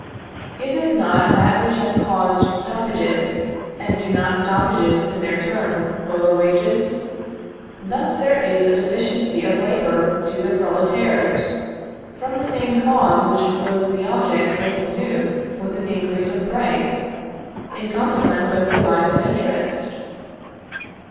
Is it not that which has caused stoppages; and do not stoppages, in their turn, lower wages? Thus there is a deficiency of labor to the "prolétaires," from the same cause which loads the objects they consume with an increase of price, in consequence of the rise of interest.